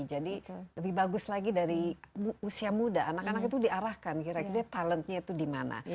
jadi lebih bagus lagi dari usia muda anak anak itu diarahkan kira kira talentnya itu dimana